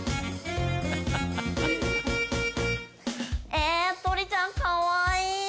えぇとりちゃんかわいい。